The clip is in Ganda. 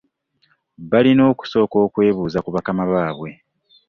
Balina okusooka okwebuuza ku bakama baabwe.